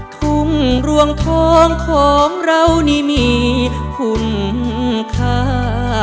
ทุ่งรวงทองของเรานี่มีคุณค่า